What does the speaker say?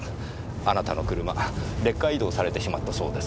あなたの車レッカー移動されてしまったそうです。